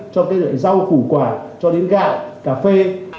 cho đến rau củ quả cho đến gạo cà phê